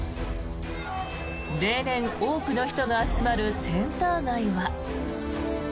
例年、多くの人が集まるセンター街は。